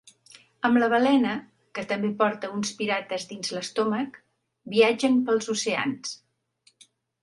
Amb la balena, que també porta uns pirates dins l'estómac, viatgen pels oceans.